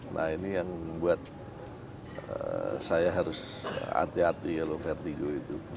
nah ini yang membuat saya harus hati hati kalau vertigo itu